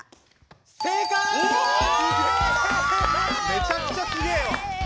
めちゃくちゃすげえわ。